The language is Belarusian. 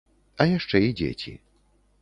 А яшчэ і дзеці.